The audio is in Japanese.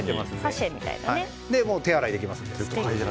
手洗いができますので。